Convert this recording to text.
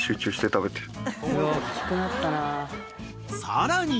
［さらに］